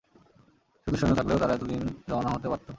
শুধু সৈন্য থাকলেও তারা এতদিন রওনা হতে পারত।